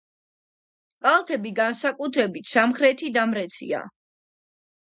კალთები, განსაკუთრებით სამხრეთი, დამრეცია.